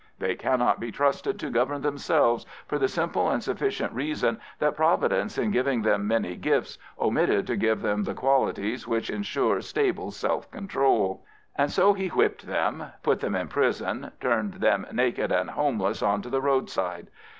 They cannot be trusted to govern themselves, for the simple and sufficient reason that Providence, in giving them many gifts, omitted to give them the qualities which ensure stable self control." And so he whipped them, put them in prison, turned them naked and homeless on to the roadside.